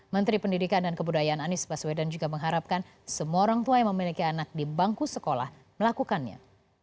menteri pendidikan dan kebudayaan anies baswedan juga mengharapkan semua orang tua yang memiliki anak di bangku sekolah melakukannya